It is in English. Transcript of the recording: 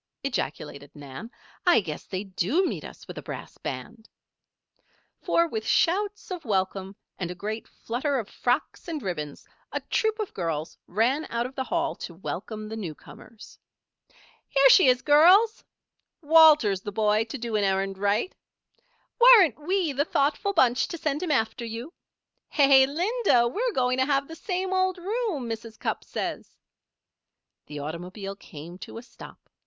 ejaculated Nan. "I guess they do meet us with a brass band!" For, with shouts of welcome, and a great flutter of frocks and ribbons, a troop of girls ran out of the Hall to welcome the newcomers. "Here she is, girls!" "Walter's the boy to do an errand right!" "Weren't we the thoughtful bunch to send him after you?" "Hey, Linda! we're going to have the same old room, Mrs. Cupp says." The automobile came to a stop.